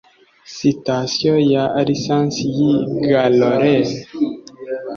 sitasiyo ya lisansi yi galore